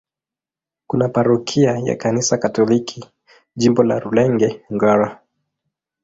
Kuna parokia ya Kanisa Katoliki, Jimbo la Rulenge-Ngara.